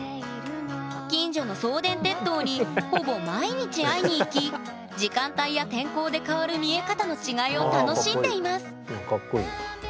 近所の送電鉄塔にほぼ毎日会いに行き時間帯や天候で変わる見え方の違いを楽しんでいますかっこいい。